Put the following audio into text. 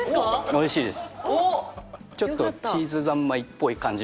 おいしいです。